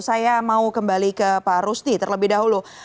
saya mau kembali ke pak rusti terlebih dahulu